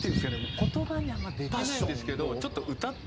言葉にあんまできないんですけどちょっと歌って。